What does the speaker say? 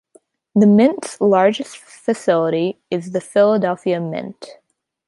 The Mint's largest facility is the Philadelphia Mint.